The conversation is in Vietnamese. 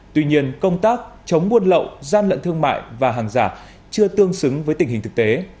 tuy nhiên công tác chống buôn lậu gian lận thương mại và hàng giả chưa tương xứng với tình hình thực tế